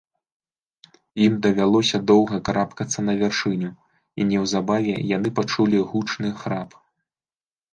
Ім давялося доўга карабкацца на вяршыню, і неўзабаве яны пачулі гучны храп.